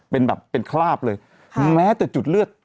เป็นแบบเป็นคราบเลยแม้แต่จุดเลือด